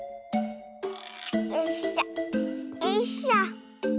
よいしょよいしょ。